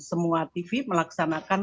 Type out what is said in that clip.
semua tv melaksanakan